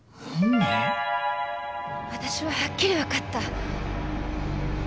私ははっきりわかった。